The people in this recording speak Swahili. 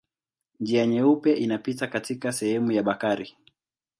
Njia Nyeupe inapita katika sehemu ya Bakari.